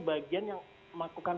bagian yang melakukan